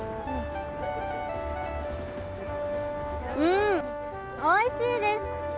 うーん、おいしいです！